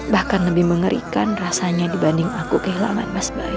bahkan lebih mengerikan rasanya dibanding aku kehilangan mas bayu